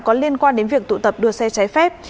có liên quan đến việc tụ tập đua xe trái phép